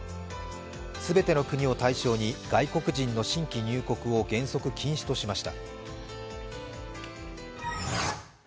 全ての国を対象に外国人の新規入国を原則禁止としました。